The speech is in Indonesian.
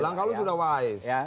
langkah lo sudah wise